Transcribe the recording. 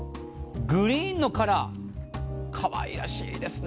グリーンのカラー、かわいらしいですね。